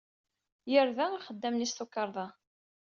Yerda axeddam-nni s tukerḍa.